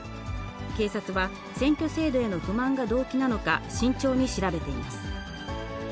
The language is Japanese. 警察は、選挙制度への不満が動機なのか慎重に調べています。